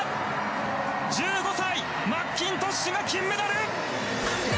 １５歳マッキントッシュが金メダル！